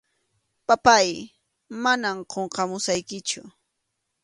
Papáy, manam qunqamusaykichu.